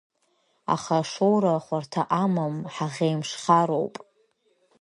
Аха ашоура хәарҭа амам, ҳаӷеимшхароуп!